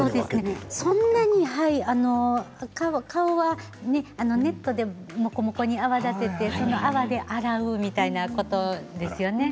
そんなに顔はネットでモコモコに泡立ててその泡で洗うみたいなことですよね。